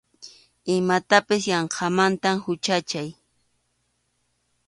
Imatapas yanqamanta huchachay.